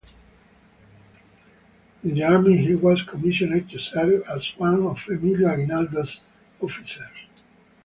In the army, he was commissioned to serve as one of Emilio Aguinaldo's officers.